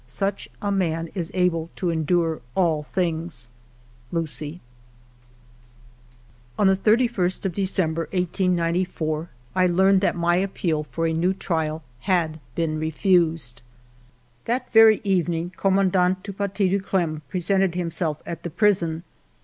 Such a man is able to endure all things. ... UCIE. On the 31st of December, 1894, I learned that my appeal for a new trial had been refused. That very evening, Commandant du Paty de Clam presented himself at the prison.